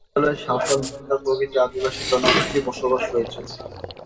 এ উপজেলায় সাঁওতাল, মুন্ডা প্রভৃতি আদিবাসী জনগোষ্ঠীর বসবাস রয়েছে।